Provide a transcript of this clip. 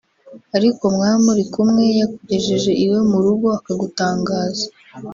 ariko mwaba muri kumwe yakugejeje iwe mu rugo akagutangaza